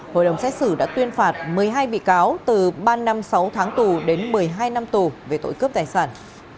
hội đồng xét xử đã tuyên phạt một mươi hai bị cáo từ ba năm sáu tháng tù đến một mươi hai năm tù về tội cướp tài sản